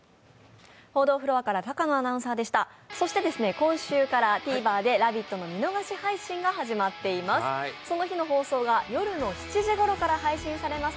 今週からＴＶｅｒで「ラヴィット！」の見逃し配信が始まっています。